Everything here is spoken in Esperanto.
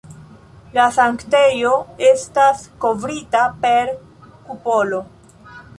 La sanktejo estas kovrita per kupolo.